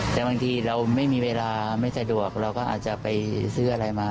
แต่บางทีเราไม่มีเวลาไม่สะดวกเราก็อาจจะไปซื้ออะไรมา